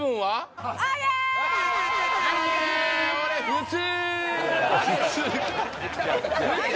普通。